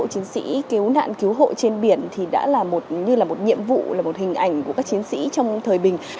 chiến sĩ cứu nạn cứu hộ trên biển thì đã là như là một nhiệm vụ là một hình ảnh của các chiến sĩ trong thời bình